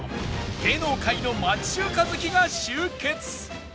芸能界の町中華好きが集結